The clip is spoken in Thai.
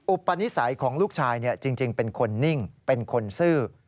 อุปนิสัยของลูกชายจริงเป็นคนนิ่งเป็นคนซื่อ